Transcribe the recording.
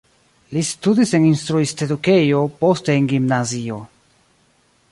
Li studis en instruist-edukejo, poste en gimnazio.